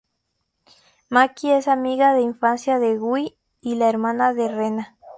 Maki es amiga de infancia de Guy y la hermana de Rena.